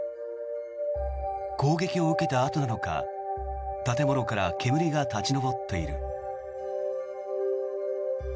攻撃を受けたあとなのか建物から煙が立ち上っている。